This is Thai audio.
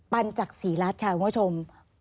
ปันจากศรีรัตน์ค่ะคุณผู้ชม